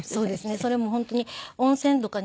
それも本当に温泉とかね